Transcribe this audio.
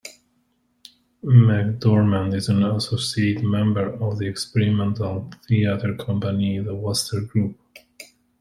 McDormand is an associate member of the experimental theater company The Wooster Group.